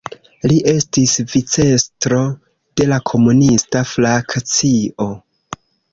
Li estis vicestro de la komunista frakcio.